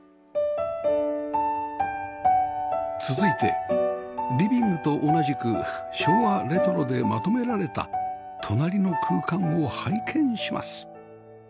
続いてリビングと同じく昭和レトロでまとめられた隣の空間を拝見します